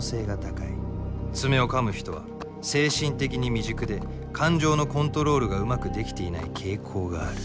爪をかむ人は精神的に未熟で感情のコントロールがうまくできていない傾向がある。